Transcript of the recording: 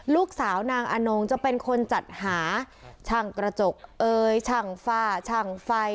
ลูกสาวนางอนงจะเป็นคนจัดหาช่างกระจกเอ่ยช่างฝ้าช่างไฟ